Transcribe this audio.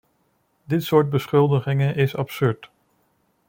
Dit soort beschuldigingen is absurd.